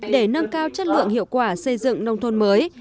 để nâng cao chất lượng hiệu quả xây dựng nông thôn mới